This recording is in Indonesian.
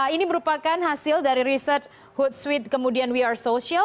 ini merupakan hasil dari research hootsuite kemudian we are social